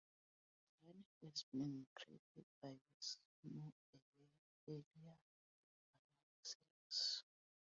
The design had been created by Westmore a year earlier for another series.